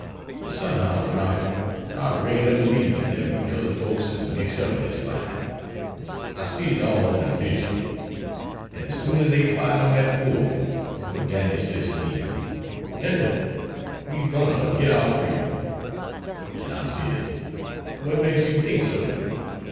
But, somehow, Robby, I ralely b'lieves dat we cullud folks is mixed up in dis fight. I seed it all in a vision. An' soon as dey fired on dat fort, Uncle Dan'el says to me: 'Linda, we's gwine to git our freedom.' An' I says: 'Wat makes you think so?"